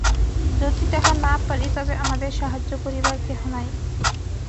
যদি তাহা না পারি, তবে আমাদের সাহায্য করিবার কেহ নাই।